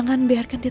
terima kasih bu